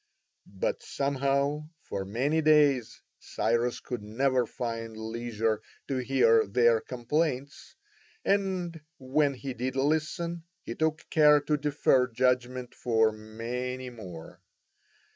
But somehow for many days Cyrus could never find leisure to hear their complaints, and when he did listen he took care to defer judgment for many more.